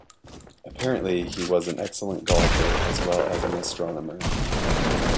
Apparently he was an excellent golfer as well as an astronomer.